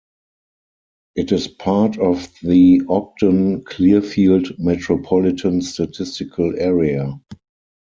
It is part of the Ogden-Clearfield Metropolitan Statistical Area.